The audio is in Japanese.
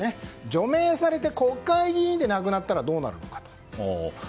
除名されて国会議員でなくなったらどうなるのか。